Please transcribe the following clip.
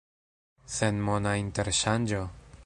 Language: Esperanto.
Senmona interŝanĝo?